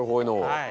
はい。